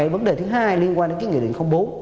vấn đề thứ hai liên quan đến nghị định bốn mươi bốn